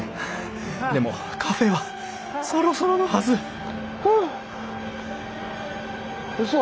でもカフェはそろそろのはずうそ！？